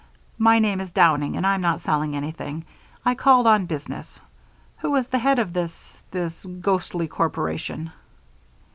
My name is Downing and I'm not selling anything. I called on business. Who is the head of this this ghostly corporation?"